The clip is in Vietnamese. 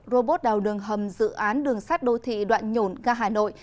robot đào đường hầm dự án đường sát đô thị đoạn nhổn ga hà nội